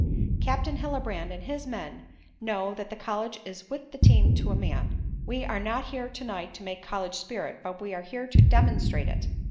Captain Hillebrand and his men know that the college is with the team to a man. We are not here to night to make college spirit, but we are here to demonstrate it.